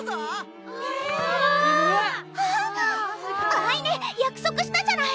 藍音約束したじゃない！